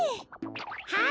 はい！